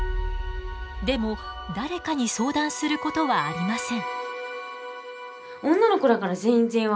でも誰かに相談することはありません。